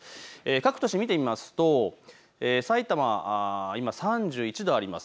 各都市見てみますとさいたま、今３１度あります。